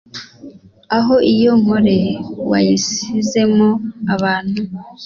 Aho iyo Nkole wayisizemo abantu ?»